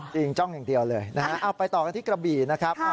จริงจ้องอย่างเดียวเลยนะฮะเอาไปต่อกันที่กระบี่นะครับ